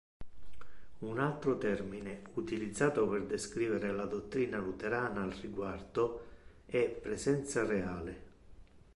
Un altro termine utilizzato per descrivere la dottrina luterana al riguardo è "presenza reale".